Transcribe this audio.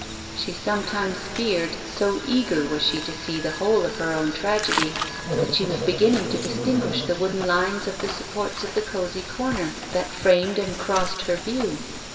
She some times feared, so eager was she to see the whole of her own tragedy, that she was beginning to distinguish the wooden lines of the supports of the cosy corner that framed and crossed her view.